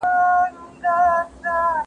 هغه څوک چي سبزیجات پاخوي روغ وي